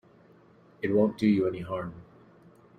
It won't do you any harm.